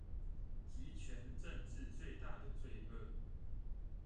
極權玫治最大的罪惡